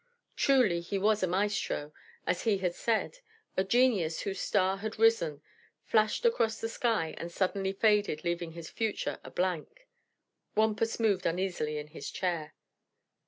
Truly he was a "maestro," as he had said; a genius whose star had risen, flashed across the sky and suddenly faded, leaving his future a blank. Wampus moved uneasily in his chair.